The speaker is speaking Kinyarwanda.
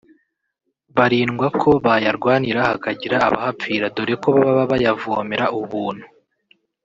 barindwa ko bayarwanira hakagira abahapfira dore ko baba bayavomera ubuntu